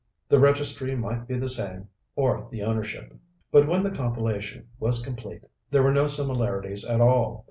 The registry might be the same, or the ownership. But when the compilation was complete, there were no similarities at all.